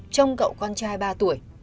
trong cậu con trai ba tuổi